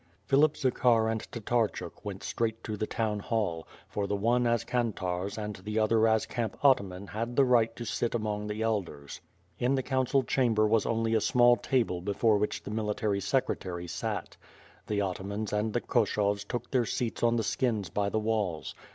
Philip Zakhar and Tatarchuk went straight to the town hall, for the one as kantarz and the other as camp ataman had the right to sit among the elders. In the council cham ber was only a small table before which the military secretary sat. The atamans and the Koshovs took their seats on the skins by the walls.